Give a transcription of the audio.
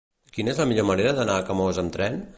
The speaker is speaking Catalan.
Quina és la millor manera d'anar a Camós amb tren?